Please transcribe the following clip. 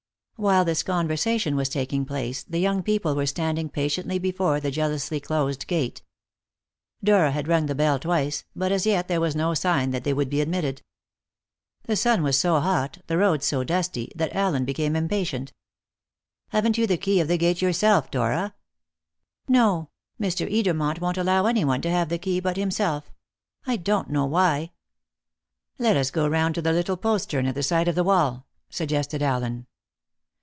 While this conversation was taking place the young people were standing patiently before the jealously closed gate. Dora had rung the bell twice, but as yet there was no sign that they would be admitted. The sun was so hot, the road so dusty, that Allen became impatient. "Haven't you the key of the gate yourself, Dora?" "No. Mr. Edermont won't allow anyone to have the key but himself. I don't know why." "Let us go round to the little postern at the side of the wall," suggested Allen.